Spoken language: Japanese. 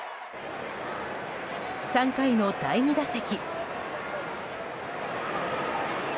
３回の第２打席。